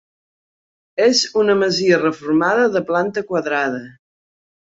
És una masia reformada de planta quadrada.